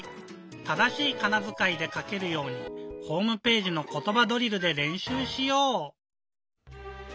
正しいかなづかいでかけるようにホームページの「ことばドリル」でれんしゅうしよう！